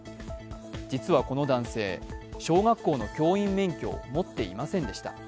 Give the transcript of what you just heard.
実はこの男性、小学校の教員免許を持っていませんでした。